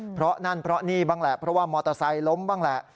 เพราะนั่นเพราะนี่บ้างแหละเพราะว่ามอเตอร์ไซค์ล้มบ้างแหละ